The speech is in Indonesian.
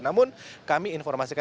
namun kami informasikan